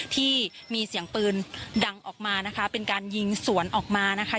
ที่มีเสียงปืนดังออกมานะคะเป็นการยิงสวนออกมานะคะ